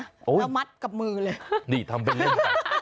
แล้วมัดกับมือเลย